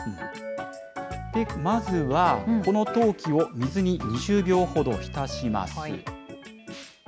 まずは、この陶器を水に２０秒ほどひたします。